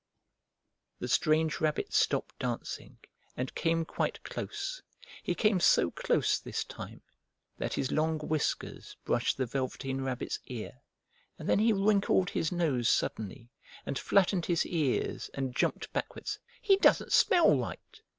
The strange rabbit stopped dancing, and came quite close. He came so close this time that his long whiskers brushed the Velveteen Rabbit's ear, and then he wrinkled his nose suddenly and flattened his ears and jumped backwards. "He doesn't smell right!"